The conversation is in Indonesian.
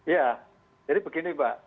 ya jadi begini mbak